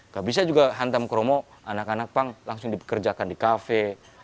gak bisa juga hantam kromo anak anak punk langsung dipekerjakan di kafe